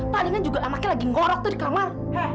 pak dengan juga anaknya lagi ngorot tuh di kamar